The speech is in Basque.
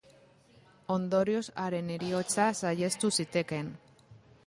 Ondorioz, haren heriotza saihestu zitekeen.